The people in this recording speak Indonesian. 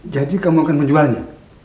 jadi kamu akan menjualnya